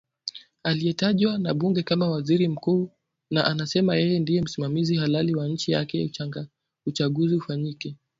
aliyetajwa na bunge kama waziri mkuu na anasema yeye ndiye msimamizi halali wa nchi hadi uchaguzi ufanyike